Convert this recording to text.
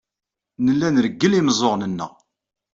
Nella nreggel imeẓẓuɣen-nneɣ.